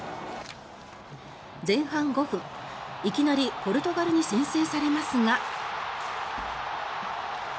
前半５分、いきなりポルトガルに先制されますが。